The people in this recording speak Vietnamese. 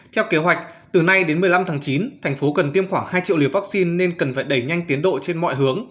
theo kế hoạch từ nay đến một mươi năm tháng chín thành phố cần tiêm khoảng hai triệu liều vaccine nên cần phải đẩy nhanh tiến độ trên mọi hướng